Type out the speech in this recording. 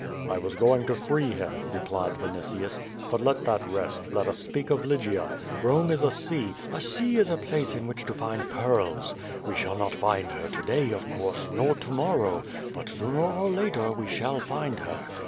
"I was going to free him," replied Vinitius. "But let that rest. Let us speak of Lygia. Bome is a sea —^" "A sea is a place in which to find pearls. We shall not find her to day, of course, nor to morrow, but sooner or later we shall find her.